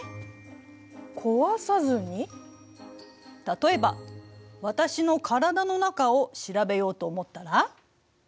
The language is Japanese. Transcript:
例えば私の体の中を調べようと思ったら？